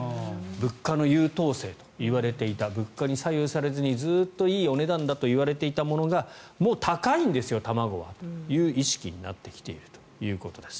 物価の優等生といわれていた物価に左右されずにずっといいお値段だといわれていたものがもう高いんですよ、卵はという意識になってきているということです。